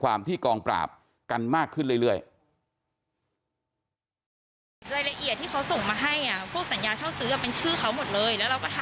ความที่กองปราบกันมากขึ้นเรื่อย